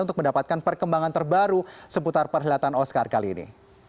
untuk mendapatkan perkembangan terbaru seputar perkhidmatan oscar kali ini